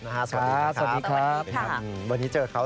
นะครับสวัสดีครับค่ะสวัสดีครับ